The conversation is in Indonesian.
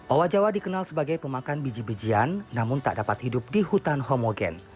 owa jawa dikenal sebagai pemakan biji bijian namun tak dapat hidup di hutan homogen